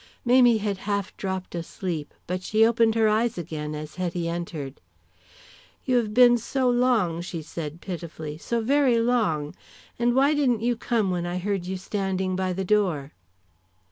Mamie had half dropped asleep, but she opened her eyes again as Hetty entered. "You have been so long," she said, pitifully, "so very long. And why didn't you come when I heard you standing by the door."